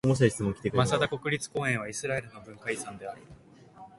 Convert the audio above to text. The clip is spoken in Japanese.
マサダ国立公園はイスラエルの文化遺産である。